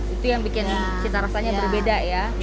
itu yang bikin cita rasanya berbeda ya